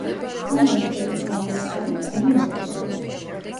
სამი ასეული გამოვაკელით, ანუ მოვაშორეთ.